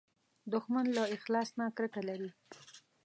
دښمن له اخلاص نه کرکه لري